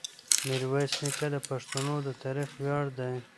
میرویس نیکه د پښتنو د تاریخ ویاړ دی.